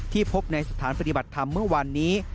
พบในสถานปฏิบัติธรรมเมื่อวานนี้